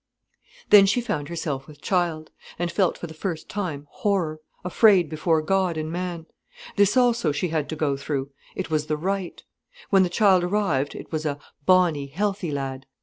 Then she found herself with child, and felt for the first time horror, afraid before God and man. This also she had to go through—it was the right. When the child arrived, it was a bonny, healthy lad.